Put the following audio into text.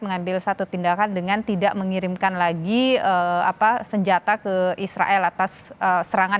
mengambil satu tindakan dengan tidak mengirimkan lagi senjata ke israel atas serangan